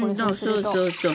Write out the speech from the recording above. そうそうそう。